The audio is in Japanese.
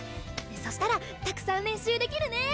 そしたらたくさん練習できるね！